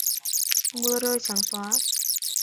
Mưa rơi trắng xóa